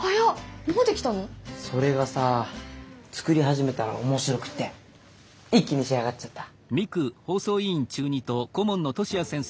それがさ作り始めたら面白くって一気に仕上がっちゃった。